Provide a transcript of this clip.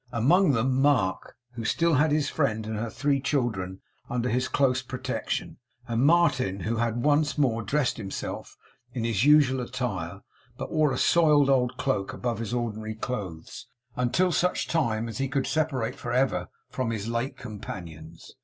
Among them Mark, who still had his friend and her three children under his close protection; and Martin, who had once more dressed himself in his usual attire, but wore a soiled, old cloak above his ordinary clothes, until such time as he should separate for ever from his late companions.